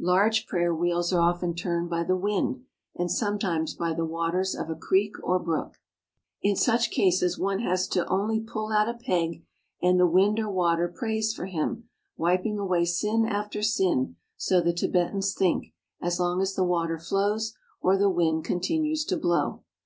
Large prayer wheels are often turned by the wind, and sometimes by the waters of a creek or brook. In such cases one has to only pull out a peg, and the wind or water prays for him, wiping away sin after sin, so the Tibetans think, as long as the water flows or the wind continues to blow.